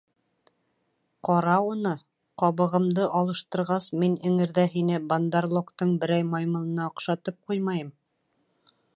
Ҡара уны, ҡабығымды алыштырғас мин эңерҙә һине Бандар-логтың берәй маймылына оҡшатып ҡуймайым.